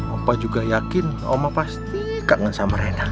opa juga yakin oma pasti kangen sama renar